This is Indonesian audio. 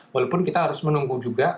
walaupun kita harus menunggu juga